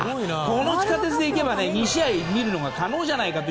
この地下鉄で行けば２試合見るのも可能じゃないかと。